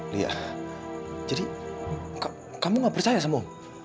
lia jadi kamu gak percaya sama om